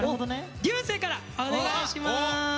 流星からお願いします。